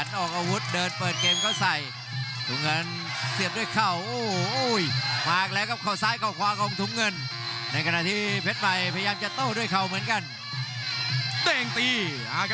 ทีบด้วยซ้ายนำเข้าไปครับเพชรใหม่